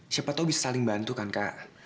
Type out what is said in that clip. siapa tau bisa saling bantu kan kak